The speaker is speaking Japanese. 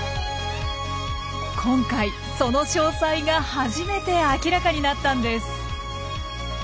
今回その詳細が初めて明らかになったんです。